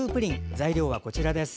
材料はこちらです。